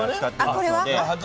これはね。